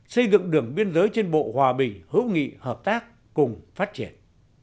xây dựng đường biên giới trên bộ hòa bình hữu nghị hợp tác cùng phát triển